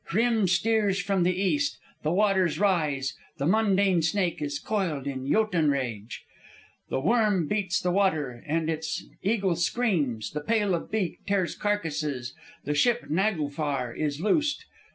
Hrym steers from the east, the waters rise, the mundane snake is coiled in jotun rage. The worm heats the water, and the eagle screams; the pale of beak tears carcases; the ship Naglfar is loosed.